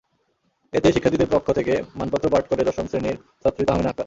এতে শিক্ষার্থীদের পক্ষ থেকে মানপত্র পাঠ করে দশম শ্রেণির ছাত্রী তাহমিনা আকতার।